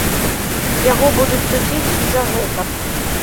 Яго будуць судзіць і за гэта.